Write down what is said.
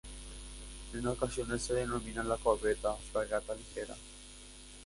En ocasiones se denomina a la corbeta "fragata ligera".